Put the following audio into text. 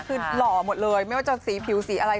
คือหล่อหมดเลยไม่ว่าจะสีผิวสีอะไร